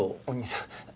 お義兄さん